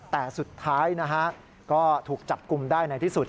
แต่สุดท้ายนะฮะก็ถูกจับกลุ่มได้ในที่สุด